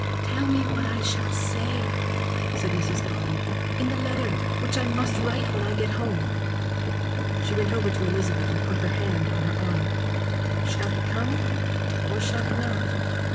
"Tell me what I shall say," said Mrs. Bobby "in the letter which I must write when I get home." She went over to Elizabeth and put her hand on her arm. "Shall he come, or shall he not?